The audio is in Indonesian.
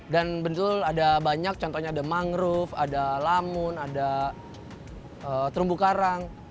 dan betul ada banyak contohnya ada mangrove ada lamun ada terumbu karang